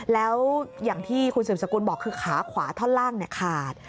แล้วอย่างที่คุณสืบสกุลบอกคือขาขวาท่อนล่างขาด